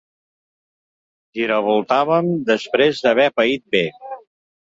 Giravoltàvem després d'haver paït bé.